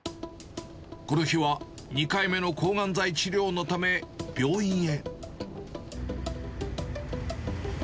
この日は２回目の抗がん剤治療のため、病院へ。